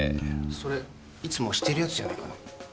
それいつもしてるやつじゃないかな？